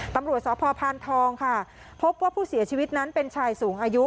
ตำรวจสพพานทองค่ะพบว่าผู้เสียชีวิตนั้นเป็นชายสูงอายุ